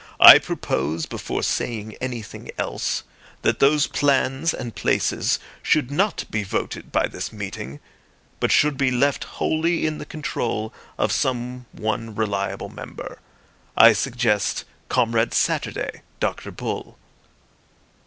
I propose, before saying anything else, that those plans and places should not be voted by this meeting, but should be left wholly in the control of some one reliable member. I suggest Comrade Saturday, Dr. Bull."